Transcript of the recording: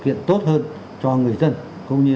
tiện tốt hơn cho người dân không như